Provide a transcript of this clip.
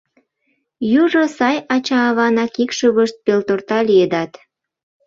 Южо сай ача-аванак икшывышт пелторта лиедат.